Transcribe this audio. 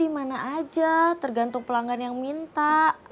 mana aja tergantung pelanggan yang minta